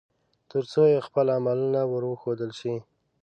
ترڅو يې خپل عملونه ور وښودل شي